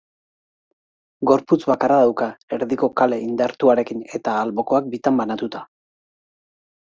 Gorputz bakarra dauka, erdiko kale indartuarekin eta albokoak bitan banatuta.